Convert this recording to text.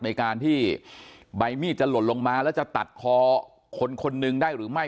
ในการที่ใบมีดจะหล่นลงมาแล้วจะตัดคอคนคนหนึ่งได้หรือไม่